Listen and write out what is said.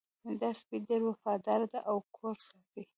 دا سپی ډېر وفادار ده او کور ساتي